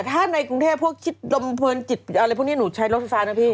ถ้าในกรุงเทพพวกคิดลมเพลินจิตอะไรพวกนี้หนูใช้รถไฟฟ้านะพี่